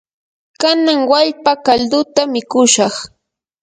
kanan wallpa kalduta mikushaq.